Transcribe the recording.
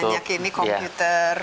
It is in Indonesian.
banyak ini komputer